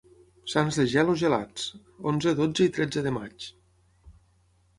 Sants de gel o gelats: onze, dotze i tretze de maig.